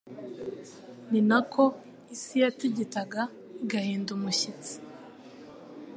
ni na ko isi yatigitaga igahinda umushyitsi